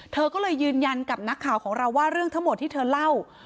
เธอก็เลยยืนยันกับนักข่าวของเราว่าเรื่องทั้งหมดที่เธอเล่า